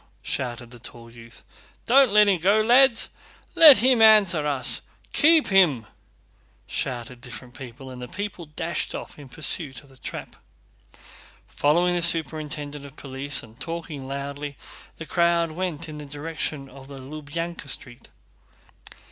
shouted the tall youth. "Don't let him go, lads! Let him answer us! Keep him!" shouted different people and the people dashed in pursuit of the trap. Following the superintendent of police and talking loudly the crowd went in the direction of the Lubyánka Street.